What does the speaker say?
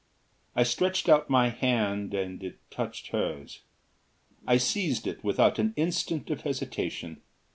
I stretched out my hand and it touched hers. I seized it without an instant of hesitation.